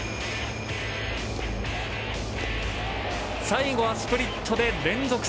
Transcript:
最後はスプリットで連続三振。